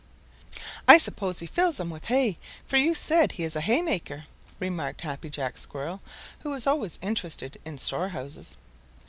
"I suppose he fills them with hay, for you said he is a haymaker," remarked Happy Jack Squirrel, who is always interested in storehouses.